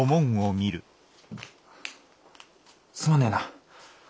すまねえな。